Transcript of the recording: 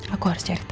aku harus cari tau